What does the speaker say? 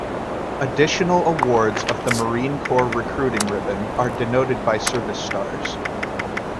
Additional awards of the Marine Corps Recruiting Ribbon are denoted by service stars.